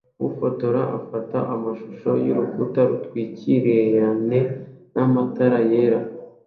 Ufotora afata amashusho yurukuta rutwikiriyena matara yera